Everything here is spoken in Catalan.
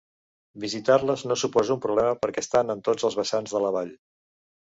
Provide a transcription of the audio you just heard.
Visitar-les no suposa un problema, perquè estan en tots els vessants de la vall.